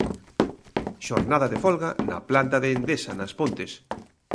Xornada de folga na planta de Endesa nas Pontes.